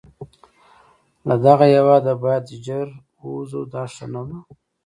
له دغه هیواده باید ژر ووزو، دا ښه نه ده.